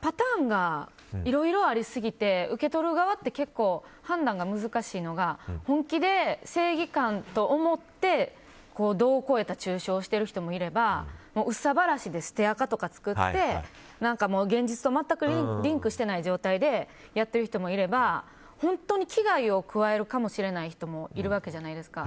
パターンがいろいろありすぎて受け取る側って結構判断が難しいのが本気で正義感と思って度を超えた中傷をしている人もいれば憂さ晴らしで捨てアカとか作って現実と全くリンクしてない状態でやってる人もいれば本当に危害を加えるかもしれない人もいるわけじゃないですか。